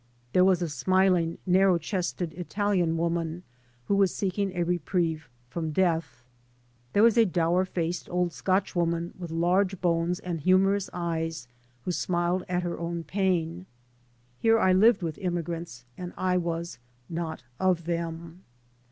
There was a smiling narrow chested Italian woman who was seeking a re prieve from death. There was a dour faced old Scotchwoman with large bones and hu morous eyes who smiled at her own pain. Here I lived with immigrants and I was not of them.